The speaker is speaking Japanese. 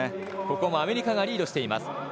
アメリカがリードしています。